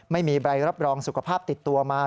ไม่มีใบรับรองสุขภาพติดตัวมา